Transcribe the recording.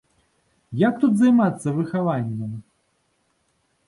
Як тут займацца выхаваннем?